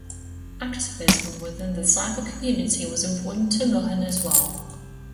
Activism within the cyber community was important to Milhon as well.